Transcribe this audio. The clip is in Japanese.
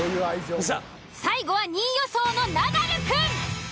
最後は２位予想のナダルくん。